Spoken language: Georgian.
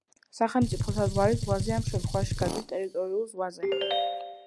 სახელმწიფო საზღვარი ზღვაზე ამ შემთხვევაში გადის ტერიტორიულ ზღვაზე.